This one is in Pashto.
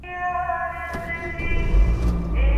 منظم اقتصاد تر بې نظمه اقتصاد ژر وده کوي.